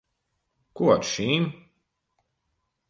Ko ar šīm?